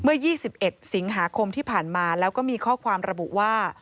๒๑สิงหาคมที่ผ่านมาแล้วก็มีข้อความระบุว่า